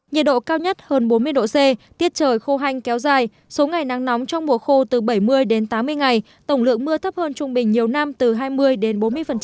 nhiệt độ cao nhất hơn bốn mươi độ c tiết trời khô hanh kéo dài số ngày nắng nóng trong mùa khô từ bảy mươi đến tám mươi ngày tổng lượng mưa thấp hơn trung bình nhiều năm từ hai mươi đến bốn mươi